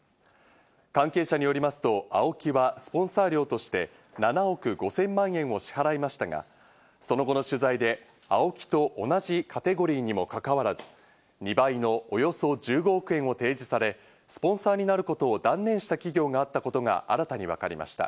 関係者によりますとＡＯＫＩはスポンサー料として７億５０００万円を支払いましたが、その後の取材でＡＯＫＩと同じカテゴリーにもかかわらず、２倍のおよそ１５億円を提示され、スポンサーになることを断念した企業があったことが新たに分かりました。